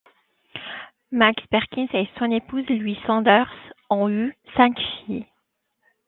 Max Perkins et son épouse Louise Saunders ont eu cinq filles.